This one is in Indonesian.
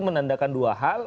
menandakan dua hal